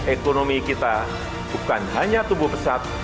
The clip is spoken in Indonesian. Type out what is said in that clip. ekonomi kita bukan hanya tumbuh pesat